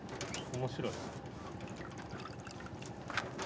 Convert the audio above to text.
面白い。